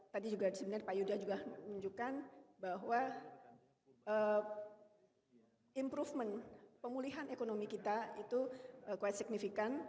tadi juga disebutkan pak yuda juga menunjukkan bahwa improvement pemulihan ekonomi kita itu kuat signifikan